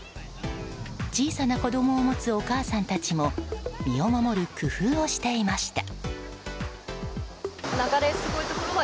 小さな子供を持つお母さんたちも身を守る工夫をしていました。